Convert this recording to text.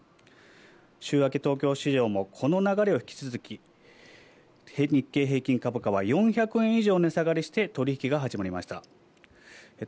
週明け、東京市場もこの流れを引き継ぎ、日経平均株価は４００円以上値下がりして取引が始まりました。